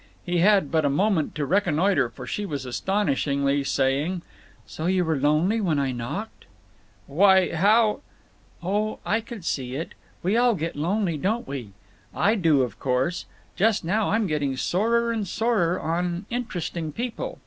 He had but a moment to reconnoiter, for she was astonishingly saying: "So you were lonely when I knocked?" "Why, how—" "Oh, I could see it. We all get lonely, don't we? I do, of course. Just now I'm getting sorer and sorer on Interesting People.